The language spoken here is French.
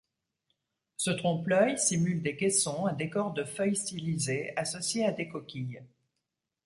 Ce trompe-l'œil simule des caissons à décor de feuilles stylisées associées à des coquilles.